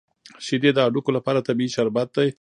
شیدې د هډوکو لپاره طبیعي شربت دی